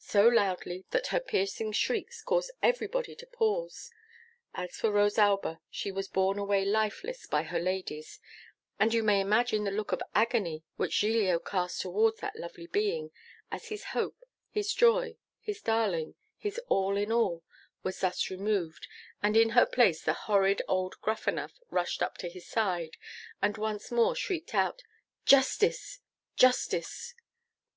so loudly, that her piercing shrieks caused everybody to pause. As for Rosalba, she was borne away lifeless by her ladies; and you may imagine the look of agony which Giglio cast towards that lovely being, as his hope, his joy, his darling, his all in all, was thus removed, and in her place the horrid old Gruffanuff rushed up to his side, and once more shrieked out, 'Justice, justice!